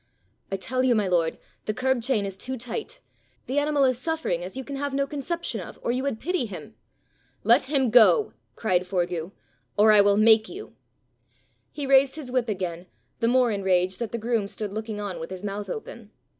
"I tell you, my lord, the curb chain is too tight! The animal is suffering as you can have no conception of, or you would pity him." "Let him go," cried Forgue, "or I will make you." He raised his whip again, the more enraged that the groom stood looking on with his mouth open.